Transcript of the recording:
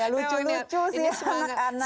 lucu lucu sih sama anak anak